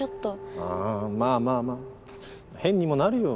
あぁまあまあまあ変にもなるよ。